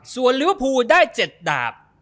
ส่วนลูฟฟูได้๗ดาบ